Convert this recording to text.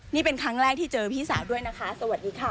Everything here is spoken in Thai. นี่เป็นครั้งแรกที่เจอพี่สาวด้วยนะคะสวัสดีค่ะ